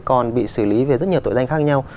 còn bị xử lý về rất nhiều tội danh khác nhau